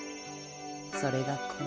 それがこれ。